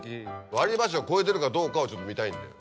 割り箸を超えてるかどうかをちょっと見たいんで。